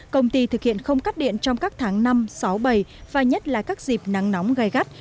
công ty thực hiện không cắt điện trong các tháng năm sáu bảy và nhất là các dịp nắng nóng gai gắt